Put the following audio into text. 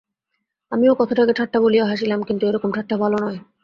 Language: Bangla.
আমিও কথাটাকে ঠাট্টা বলিয়া হাসিলাম, কিন্তু এরকম ঠাট্টা ভালো নয়।